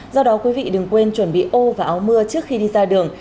do đó quý vị đừng quên chuẩn bị ô và áo mưa trước khi đi ra đường